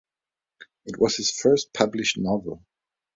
It was his first published novel.